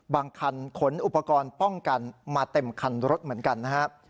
บางคันขนอุปกรณ์ป้องกันมาเต็มคันรถเหมือนกันนะครับ